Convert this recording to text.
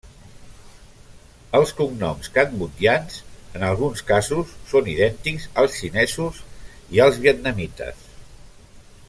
Els cognoms cambodjans, en alguns casos, són idèntics als xinesos i als vietnamites.